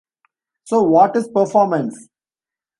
So what is performance?